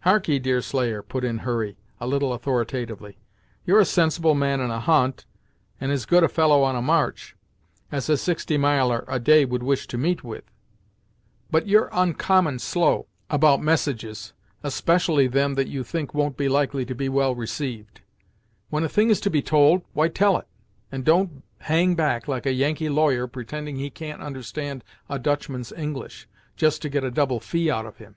"Harkee, Deerslayer," put in Hurry, a little authoritatively "You're a sensible man in a hunt, and as good a fellow on a march, as a sixty miler a day could wish to meet with, but you're oncommon slow about messages; especially them that you think won't be likely to be well received. When a thing is to be told, why tell it; and don't hang back like a Yankee lawyer pretending he can't understand a Dutchman's English, just to get a double fee out of him."